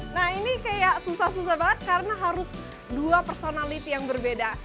nah ini kayak susah susah banget karena harus dua personality yang berbeda